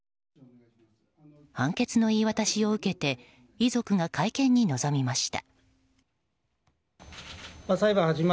判決の言い渡しを受けて遺族が会見に臨みました。